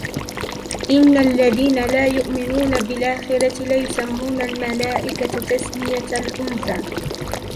إن الذين لا يؤمنون بالآخرة ليسمون الملائكة تسمية الأنثى